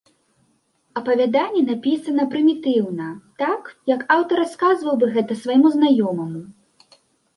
Апавяданне напісана прымітыўна, так, як аўтар расказваў бы гэта свайму знаёмаму.